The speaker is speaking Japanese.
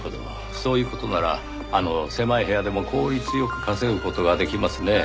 そういう事ならあの狭い部屋でも効率良く稼ぐ事ができますねぇ。